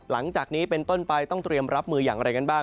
หลังจากนี้เป็นต้นไปต้องเตรียมรับมืออย่างไรกันบ้าง